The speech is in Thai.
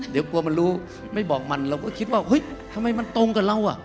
เดี๋ยวกลัวมันรู้ไม่บอกมันเราก็คิดว่าเฮ้ยทำไมมันตรงกับเราอ่ะ